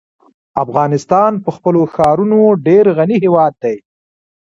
افغانستان په خپلو ښارونو ډېر غني هېواد دی.